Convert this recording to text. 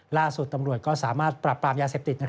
ล่าสุดตำรวจก็สามารถปรับปรามยาเสพติด